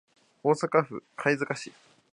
大阪府貝塚市